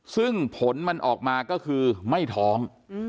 ซึ่งผลมันออกมาก็คือไม่ท้อง